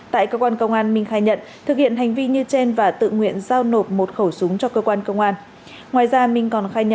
tại cơ quan công an minh khai nhận thực hiện hành vi như trên và tự nguyện giao nộp một khẩu súng cho cơ quan công an